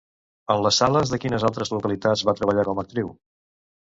En les sales de quines altres localitats va treballar com a actriu?